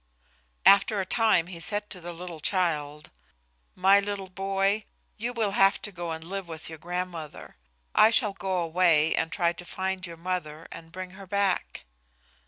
After a time he said to the little child, "My little boy, you will have to go and live with your grandmother. I shall go away and try to find your mother and bring her back."